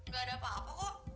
gak ada apa apa kok